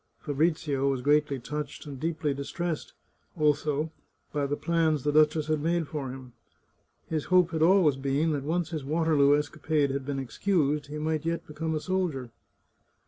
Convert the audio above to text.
Fabrizio was greatly touched, and deeply distressed, also, by the plans the duchess had made for him. His hope had always been that, once his Waterloo escapade had been excused, he might yet become a soldier.